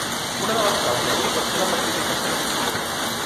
Una de les claus d’avui pot ser la participació.